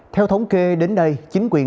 theo thống kê đến đây chính quyền